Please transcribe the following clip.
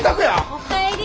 お帰り。